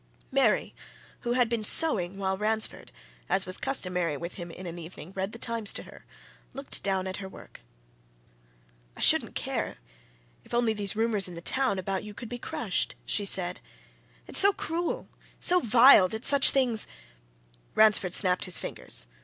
Mary, who had been sewing while Ransford, as was customary with him in an evening, read the Times to her, looked down at her work. "I shouldn't care, if only these rumours in the town about you could be crushed!" she said. "It's so cruel, so vile, that such things " Ransford snapped his fingers.